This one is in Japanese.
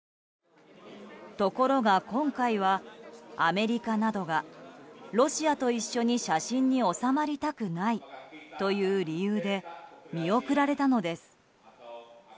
ところが今回はアメリカなどがロシアと一緒に写真に納まりたくないという理由で見送られたのです。